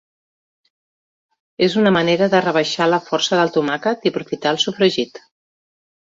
És una manera de rebaixar la força del tomàquet i aprofitar el sofregit.